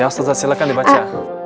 ya ustazah silahkan dibaca